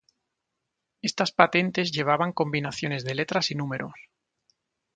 Estas patentes llevaban combinaciones de letras y números.